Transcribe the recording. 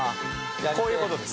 こういう事です。